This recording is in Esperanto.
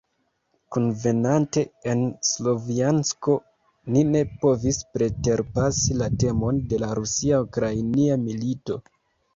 Kunvenante en Slovjansko ni ne povis preterpasi la temon de la rusia-ukrainia milito.